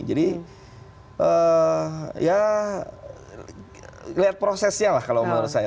jadi ya lihat prosesnya lah kalau menurut saya